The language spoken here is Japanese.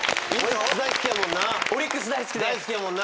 オリックス大好きやもんな。